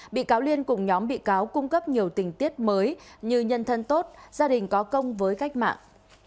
bị cáo liên cùng nhóm bị cáo cung cấp nhiều tình tiết mới như nhân thân tốt gia đình có công với cách mạng